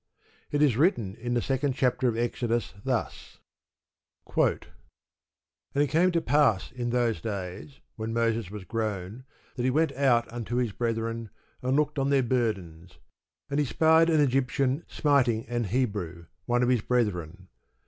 It is written in the second chapter of Exodus thus: And it came to pass in those days, when Moses was grown, that he went out unto his brethren, and looked on their burdens: and he spied an Egyptian smiting an Hebrew, one of his brethren.